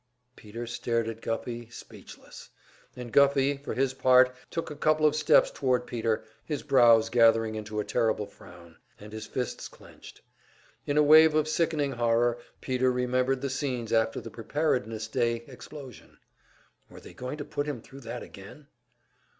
Peter stared at Guffey, speechless; and Guffey, for his part, took a couple of steps toward Peter, his brows gathering into a terrible frown, and his fists clenched. In a wave of sickening horror Peter remembered the scenes after the Preparedness Day explosion. Were they going to put him thru that again?